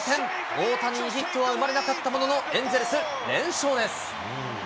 大谷にヒットは生まれなかったものの、エンゼルス、連勝です。